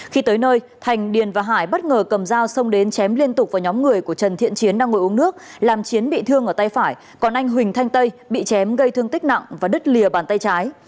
khi tới nơi thành điền và hải bất ngờ cầm dao xông đến chém liên tục vào nhóm người của trần thiện chiến đang ngồi uống nước làm chiến bị thương ở tay phải còn anh huỳnh thanh tây bị chém gây thương tích nặng và đứt lìa bàn tay trái